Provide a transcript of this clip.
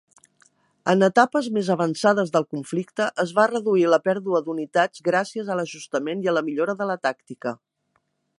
En etapes més avançades del conflicte, es va reduir la pèrdua d'unitats gràcies a l'ajustament i la millora de la tàctica.